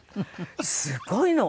すごいの。